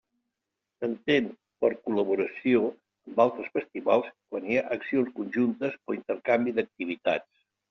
S'entén per col·laboració amb altres festivals quan hi ha accions conjuntes o intercanvi d'activitats.